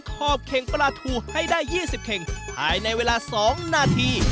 ขอบเข่งปลาทูให้ได้๒๐เข่งภายในเวลา๒นาที